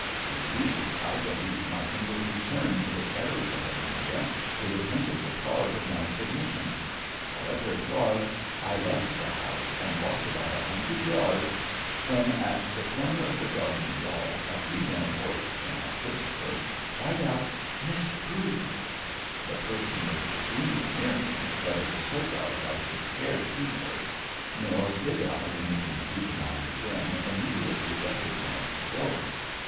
Indeed, I believe my tender concern for the terrors of Amelia were the principal cause of my submission. However it was, I left the house, and walked about a hundred yards, when, at the corner of the garden wall, a female voice, in a whisper, cried out, 'Mr. Booth.' The person was extremely near me, but it was so dark I could scarce see her; nor did I, in the confusion I was in, immediately recognize the voice.